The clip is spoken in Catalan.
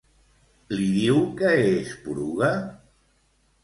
Li diu que és poruga?